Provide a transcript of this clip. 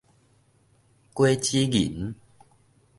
果子仁